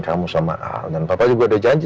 kamu sama dan papa juga udah janji